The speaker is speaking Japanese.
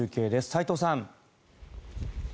齋藤さん。